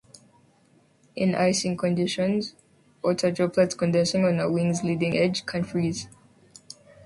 In icing conditions, water droplets condensing on a wing's leading edge can freeze.